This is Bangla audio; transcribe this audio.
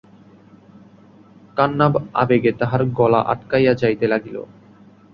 কান্নাব আবেগে তাহার গলা আটকাইয়া যাইতে লাগিল।